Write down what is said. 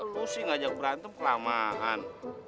lu sih ngajak berantem pelamahan